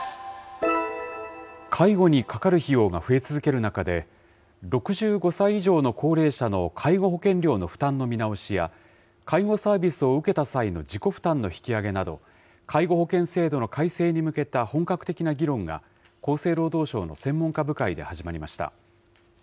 介護にかかる費用が増え続ける中で、６５歳以上の高齢者の介護保険料の負担の見直しや、介護サービスを受けた際の自己負担の引き上げなど、介護保険制度の改正に向けた本格的な議論が、厚生労働省の専門家部会で始まりました。